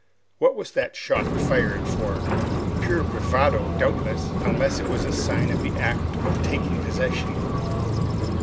What was that shot fired for? Pure bravado doubtless, unless it was a sign of the act of taking possession.